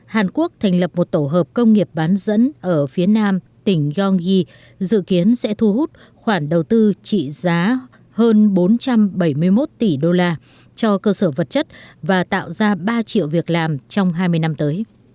hàn quốc thành lập một tổ hợp công nghiệp bán dẫn ở phía nam tỉnh gyeonggi dự kiến sẽ thu hút khoản đầu tư trị giá hơn bốn trăm bảy mươi một tỷ đô la cho cơ sở vật chất và tạo ra ba triệu việc làm trong hai mươi năm tới